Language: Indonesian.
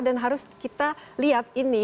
harus kita lihat ini